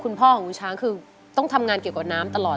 คุณพ่อของคุณช้างคือต้องทำงานเกี่ยวกับน้ำตลอด